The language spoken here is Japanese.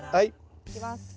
いきます。